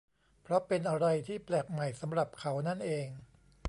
เพราะเป็นอะไรที่แปลกใหม่สำหรับเขานั่นเอง